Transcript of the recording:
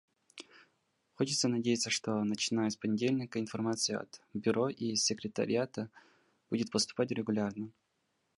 Хочется надеяться, что начиная с понедельника информация от Бюро и секретариата будет поступать регулярно.